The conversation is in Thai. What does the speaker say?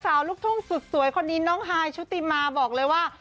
ลูกทุ่งสุดสวยคนนี้น้องฮายชุติมาบอกเลยว่า